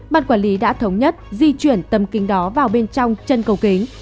bàn quản lý đã thống nhất di chuyển tầm kính đó vào bên trong chân cầu kính